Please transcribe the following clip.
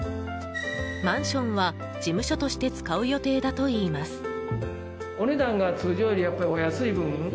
マンションは事務所として使う予定だといいます。